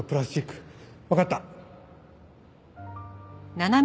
わかった。